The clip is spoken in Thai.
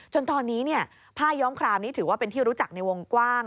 จนตอนนี้ผ้าย้อมครามนี้ถือว่าเป็นที่รู้จักในวงกว้าง